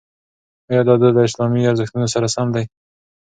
ایا دا دود له اسلامي ارزښتونو سره سم دی؟